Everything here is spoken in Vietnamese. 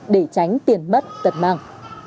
để tránh tiền mất tật mạng